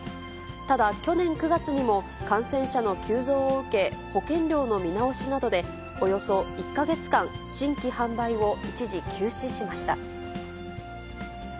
ただ、去年９月にも感染者の急増を受け、保険料の見直しなどでおよそ１か月間、新規販売を一時休止しました。